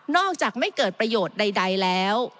อกจากไม่เกิดประโยชน์ใดแล้ว